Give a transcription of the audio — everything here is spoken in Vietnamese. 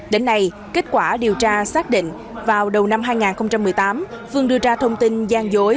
đến nay kết quả điều tra xác định vào đầu năm hai nghìn một mươi tám phương đưa ra thông tin gian dối